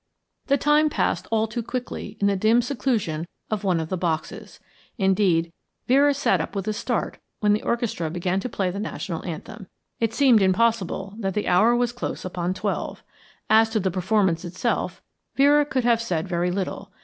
The time passed all too quickly in the dim seclusion of one of the boxes; indeed, Vera sat up with a start when the orchestra began to play the National Anthem. It seemed impossible that the hour was close upon twelve. As to the performance itself, Vera could have said very little.